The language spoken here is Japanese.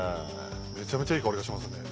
めちゃめちゃいい香りがしますね。